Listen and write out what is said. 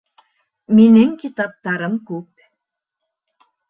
Минең китаптарым күп